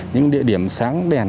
những địa điểm sáng đèn